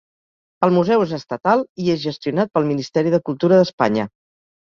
El museu és estatal i és gestionat pel Ministeri de Cultura d'Espanya.